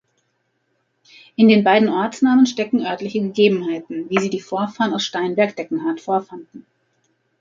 In den beiden Ortsnamen stecken örtliche Gegebenheiten, wie sie die Vorfahren aus Steinberg-Deckenhardt vorfanden.